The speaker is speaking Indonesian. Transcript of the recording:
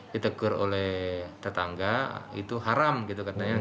ditegur oleh tetangga itu haram gitu katanya